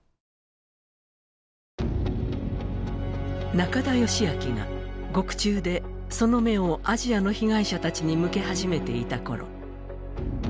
中田善秋が獄中でその目をアジアの被害者たちに向け始めていたころ。